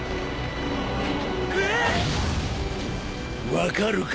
分かるか？